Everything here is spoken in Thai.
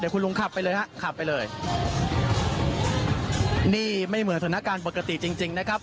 แต่คุณลุงขับไปเลยฮะขับไปเลยนี่ไม่เหมือนสถานการณ์ปกติจริงจริงนะครับ